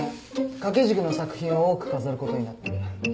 掛け軸の作品を多く飾ることになってる。